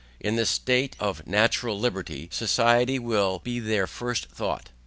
In this state of natural liberty, society will be their first thought.